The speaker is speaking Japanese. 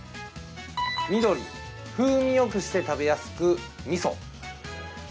緑・風味よくして食べやすくみそ。